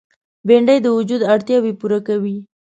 بېنډۍ د وجود اړتیا پوره کوي